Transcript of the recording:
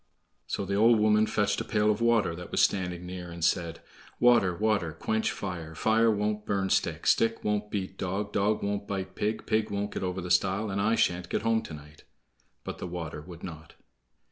So the old woman fetched a pail of water that was standing near and said: "Water, water, quench fire; Fire won't burn stick; Stick won't beat dog; Dog won't bite pig; Pig won't get over the stile, And I sha'n't get home to night." But the water would not.